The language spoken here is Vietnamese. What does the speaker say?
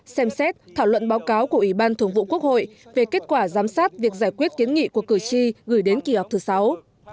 xem xét thảo luận báo cáo của ủy ban thường vụ quốc hội về kết quả giám sát việc giải quyết kiến nghị của cử tri gửi đến kỳ họp thứ sáu